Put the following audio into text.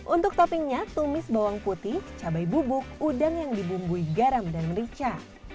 untuk toppingnya tumis bawang putih cabai bubuk udang yang dibumbui garam dan merica